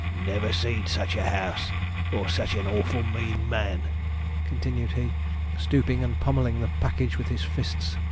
'Never see'd sich a house, or sich an awful mean man!' continued he, stooping and pommelling the package with his fists.